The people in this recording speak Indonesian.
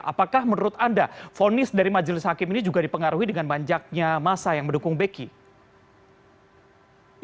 apakah menurut anda fonis dari majelis hakim ini juga dipengaruhi dengan manjaknya masa yang mendukung beki